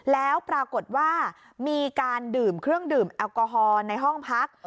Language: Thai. แล้วปรากฏว่ามีการดื่มเครื่องดื่มแอลกอฮอล์ในห้องพัก